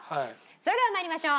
それでは参りましょう！